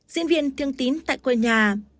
diễn viên thương tín tại quê nhà